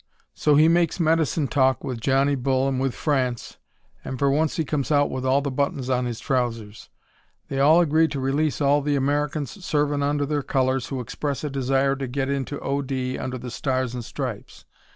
So he makes medicine talk with Johnny Bull and with France, and for once he comes out with all the buttons on his trousers. They agree to release all the Americans servin' under their colors who express a desire to get into O.D. under the Stars and Stripes.